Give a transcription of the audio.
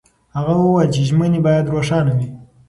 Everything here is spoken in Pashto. هغه وویل چې ژمنې باید روښانه وي.